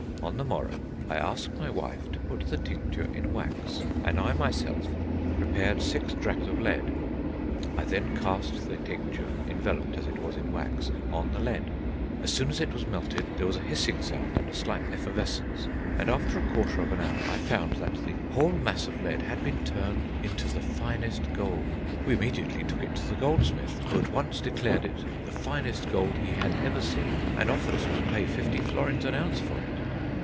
On the morrow ... I asked my wife to put the tincture in wax, and I myself ... prepared six drachms of lead; I then cast the tincture, enveloped as it was in wax, on the lead; as soon as it was melted, there was a hissing sound and a slight effervescence, and after a quarter of an hour I found that the whole mass of lead had been turned into the finest gold.... We immediately took it to the goldsmith, who at once declared it the finest gold he had ever seen, and offered to pay fifty florins an ounce for it."